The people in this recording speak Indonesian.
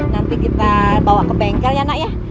nanti kita bawa ke bengkel ya nak ya